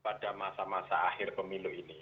pada masa masa akhir pemilu ini